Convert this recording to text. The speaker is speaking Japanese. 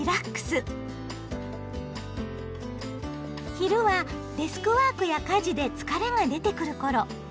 昼はデスクワークや家事で疲れが出てくる頃。